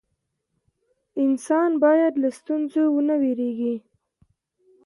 انسان باید له ستونزو ونه ویریږي.